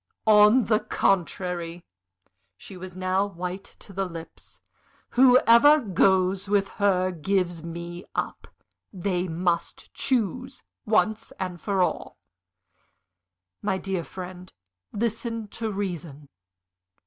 "On the contrary!" She was now white to the lips. "Whoever goes with her gives me up. They must choose once for all." "My dear friend, listen to reason."